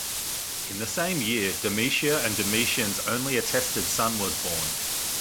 In the same year, Domitia and Domitian's only attested son was born.